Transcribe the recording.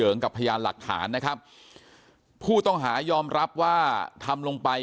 เพราะไม่เคยถามลูกสาวนะว่าไปทำธุรกิจแบบไหนอะไรยังไง